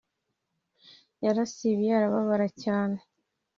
Yarasibiye arababara cyane